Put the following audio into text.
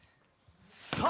さあ！